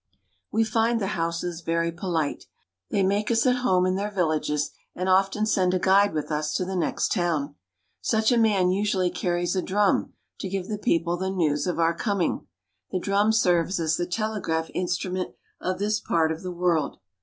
' We find the Hausas very polite. They make us at home in their villages and often send a guide with us to the next town. Such a man usually carries a drum, to give the people the news of our coming. The dnimi serves as the telegraph instrument of this part of the world.